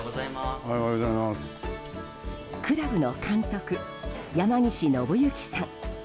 クラブの監督、山岸信行さん。